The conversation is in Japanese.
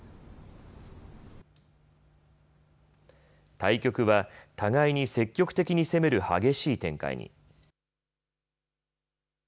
対局は互いに積極的に攻める激しい展開に。